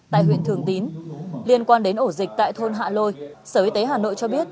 tại huyện thường tín liên quan đến ổ dịch tại thôn hạ lôi sở y tế hà nội cho biết